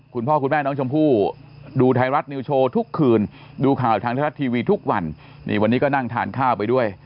คุณพ่อคุณแม่น้องชมพู่ดูไทยรัฐนิวโชว์ทุกคืนดูข่าวทางไทยรัฐทีวีทุกวันนี่วันนี้ก็นั่งทานข้าวไปด้วย